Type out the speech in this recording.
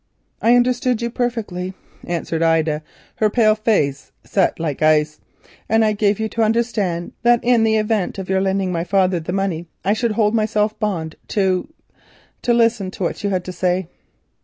"I understood you perfectly," answered Ida, her pale face set like ice, "and I gave you to understand that in the event of your lending my father the money, I should hold myself bound to—to listen to what you had to say."